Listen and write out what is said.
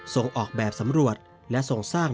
ส่งออกแบบสำรวจและส่งสร้าง